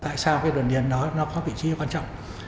tại sao cái đồn điền đó nó có vị trí quan trọng